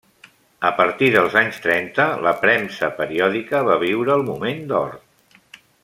A partir dels anys trenta, la premsa periòdica va viure el moment d'or.